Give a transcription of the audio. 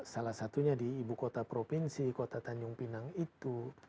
salah satunya di ibukota provinsi kota tanjung pinang itu